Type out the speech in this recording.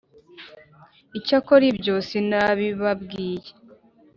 Icyakora ibyo sinabibabwiye